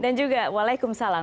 dan juga waalaikumsalam